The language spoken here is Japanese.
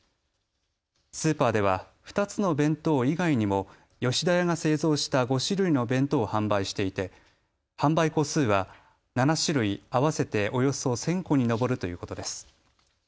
スーパーでは２つの弁当以外にも吉田屋が製造した５種類の弁当を販売していて販売個数は７種類合わせておよそ１０００個に上るということです。